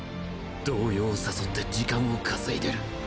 動揺を誘って時間を稼いでる。